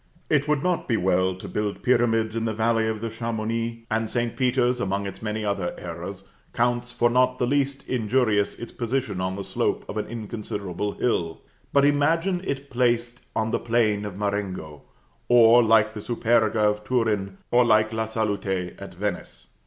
It would not be well to build pyramids in the valley of Chamouni; and St. Peter's, among its many other errors, counts for not the least injurious its position on the slope of an inconsiderable hill. But imagine it placed on the plain of Marengo, or, like the Superga of Turin, or like La Salute at Venice!